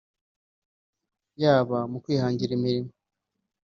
yaba mu kwihangira imirimo